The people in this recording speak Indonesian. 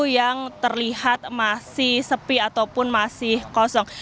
yang terlihat masih sepi ataupun masih kosong